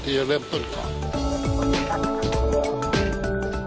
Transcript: ที่จะเริ่มต้นข่อน